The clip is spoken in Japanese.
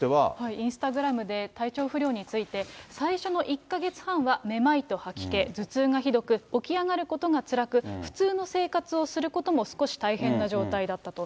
インスタグラムで体調不良について、最初の１か月半はめまいと吐き気、頭痛がひどく、起き上がることがつらく、普通の生活をすることも少し大変な状態だったと。